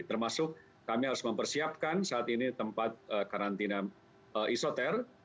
termasuk kami harus mempersiapkan saat ini tempat karantina isoter